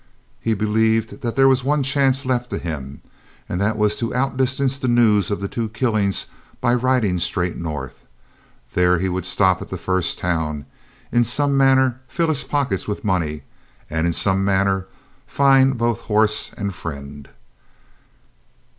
He believed that there was one chance left to him, and that was to outdistance the news of the two killings by riding straight north. There he would stop at the first town, in some manner fill his pockets with money, and in some manner find both horse and friend.